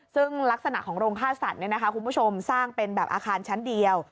ซึ่งลักษณะของโรงฆ่าสัตว์คุณผู้ชมสร้างเป็นแบบอาคารชั้นเดียว